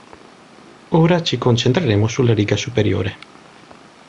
Ora ci concentreremo sulla riga superiore.